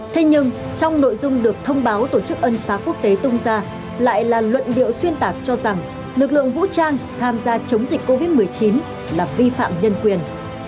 thế nhưng trong nội dung được thông báo tổ chức ân xá quốc tế tung ra lại là luận điệu xuyên tạc cho rằng lực lượng vũ trang tham gia chống dịch covid một mươi chín là vi phạm nhân quyền